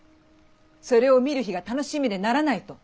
それを見る日が楽しみでならない」と。